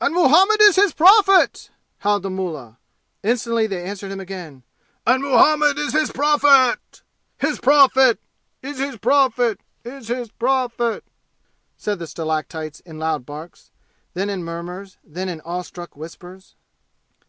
"And Muhammad is His prophet!" howled the mullah. Instantly they answered him again. "And Muhammad is His prophet!" "His prophet is His prophet is His prophet!" said the stalactites, in loud barks then in murmurs then in awe struck whispers.